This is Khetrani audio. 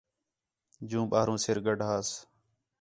جوں ٻاہروں سِر گڈھاس